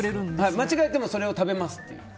間違えてもそれを食べますという。